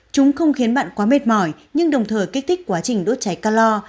chúng không khiến bạn quá mệt mỏi nhưng đồng thời kích thích quá trình đốt cháy calor